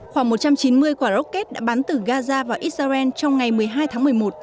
khoảng một trăm chín mươi quả rocket đã bắn từ gaza vào israel trong ngày một mươi hai tháng một mươi một